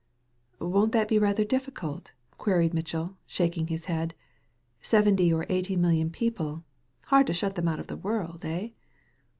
•'Won't that be rather difficult?" queried Mitch ell, shaking his head. '• Seventy or eighty million people — hard to shut them out of the world, eh?"